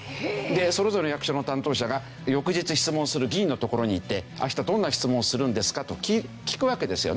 それぞれ役所の担当者が翌日質問する議員の所に行って「明日どんな質問をするんですか」と聞くわけですよね。